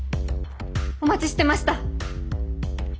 お待ちしてました。